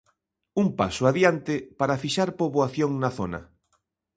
Un paso adiante para fixar poboación na zona.